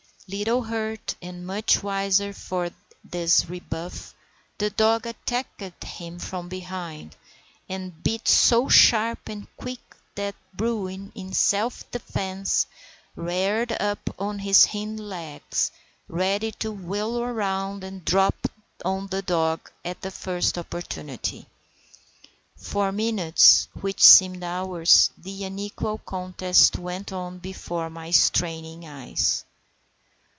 Page 22] Little hurt, and much wiser for this rebuff, the dog attacked from behind, and bit so sharp and quick that Bruin in self defence, reared up on his hind legs, ready to wheel round and drop on the dog at the first opportunity. For minutes (which seemed hours) the unequal contest went on before my straining eyes.